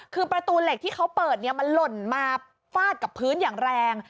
คือประตูเหล็กที่เขาเปิดมันหล่นมาฟาดกับพื้นอย่างแรง